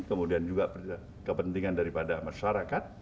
kemudian juga kepentingan daripada masyarakat